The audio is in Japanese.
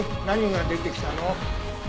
何が出てきたの？